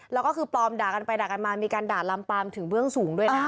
แล้วก็คือปลอมด่ากันไปด่ากันมามีการด่าลำปามถึงเบื้องสูงด้วยนะ